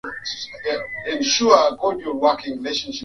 wanakuwa katika madini na wafanya ile ambao wanataka katika madini